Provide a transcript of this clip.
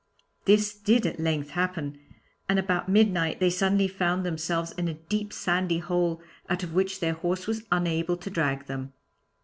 This did at length happen, and about midnight they suddenly found themselves in a deep sandy hole out of which their horse was unable to drag them.